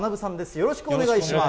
よろしくお願いします。